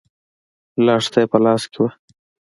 لښته يې په لاس کې وه.